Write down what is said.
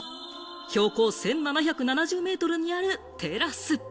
標高１７７０メートルにあるテラス。